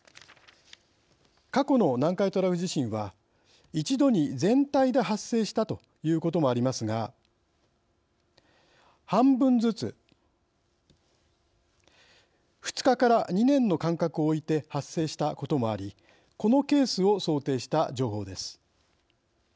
過去の南海トラフ地震は一度に全体で発生したということもありますが半分ずつ２日から２年の間隔を置いて発生したこともありこのケースを想定した情報です。